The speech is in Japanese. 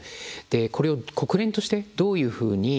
これを国連としてどういうふうにすべきなのか。